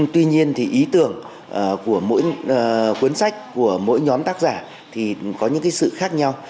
tuy nhiên thì ý tưởng của mỗi cuốn sách của mỗi nhóm tác giả thì có những sự khác nhau